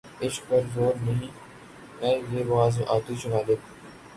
عشق پر زور نہیں، ہے یہ وہ آتش غالب